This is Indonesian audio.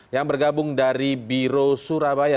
yang bergabung dari biro surabaya